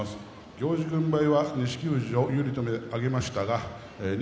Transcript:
行司軍配は錦富士を有利と見て上げましたが錦